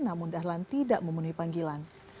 namun dahlan tidak memenuhi panggilan